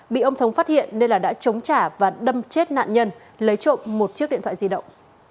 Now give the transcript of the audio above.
bị ông thống phát hiện nên đã chống trả và đâm chết nạn nhân lấy trộm một chiếc điện thoại di động